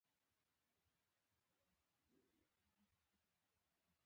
لاسونه يې سره وجنګول.